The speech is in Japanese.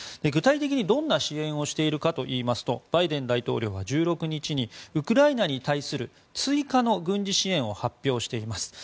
具体的に、どんな支援をしているかといいますとバイデン大統領は１６日にウクライナに対する追加の軍事支援を発表しています。